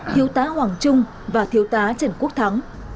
thiếu tá hoàng trung và thiếu tá trần quốc thắng